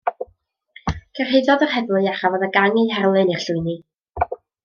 Cyrhaeddodd yr heddlu a chafodd y gang eu herlyn i'r llwyni.